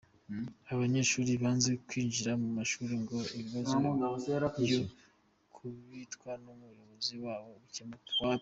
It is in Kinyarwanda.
Aba banyeshuri banze kwinjira mu mashuri ngo ikibazo cyo gukubitwa n’umuyobozi wabo gikemuke.